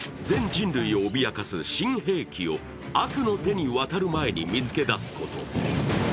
それは全人類を脅かす新兵器を悪の手に渡る前に見つけ出すこと。